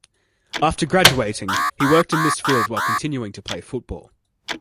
After graduating, he worked in this field while continuing to play football.